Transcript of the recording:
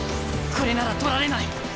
これなら取られない。